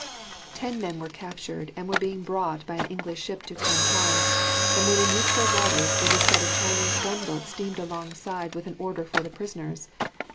Ten men were captured and were being brought by an English ship to Canton, and when in neutral waters it is said a Chinese gunboat steamed alongside with an order for the prisoners.